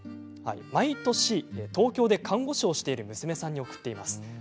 毎年、東京で看護師をしている娘さんに贈っています。